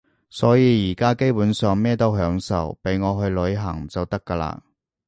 所以而家基本上乜都享受，畀我去旅行就得㗎喇